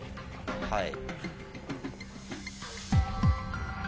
はい。